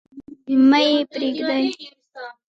مه يې پريږدﺉ.